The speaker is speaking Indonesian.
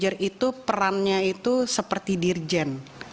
menurut kami itu perannya itu seperti dirjen